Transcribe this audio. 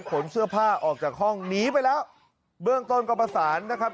ขนเสื้อผ้าออกจากห้องหนีไปแล้วเบื้องต้นก็ประสานนะครับ